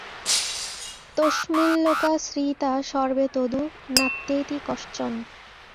তস্মিঁল্লোকা শ্রিতা সর্বে তদু নাত্যেতি কশ্চন।